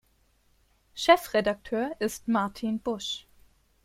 Chefredakteur ist Martin Busch.